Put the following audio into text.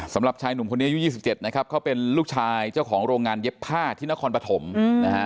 สำหรับชายหนุ่มคนนี้อายุ๒๗นะครับเขาเป็นลูกชายเจ้าของโรงงานเย็บผ้าที่นครปฐมนะฮะ